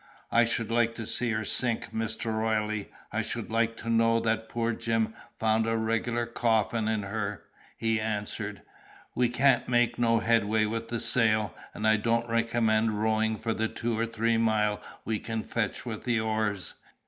"I should like to see her sink, Mr. Royle; I should like to know that poor Jim found a regular coffin in her," he answered. "We can't make no headway with the sail, and I don't recommend rowin' for the two or three mile we can fetch with the oars.